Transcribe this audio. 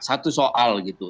itu soal gitu